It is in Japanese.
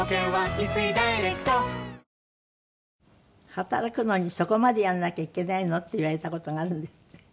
「働くのにそこまでやらなきゃいけないの？」って言われた事があるんですって？